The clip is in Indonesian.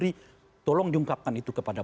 jadi itu adalah hal yang harus dilakukan